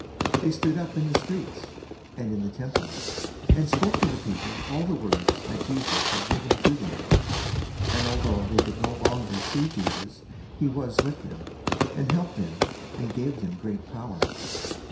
They stood up in the streets, and in the Temple, and spoke to the people all the words that Jesus had given to them. And although they could no longer see Jesus, he was with them, and helped them, and gave them great power.